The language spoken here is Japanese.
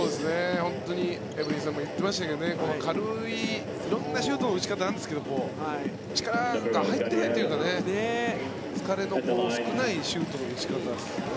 本当にエブリンさんも言っていましたけど軽い、色んなシュートの打ち方があるんですが力が入っているというか疲れの少ないシュートの打ち方ですよね。